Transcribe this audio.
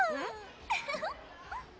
ウフフッ。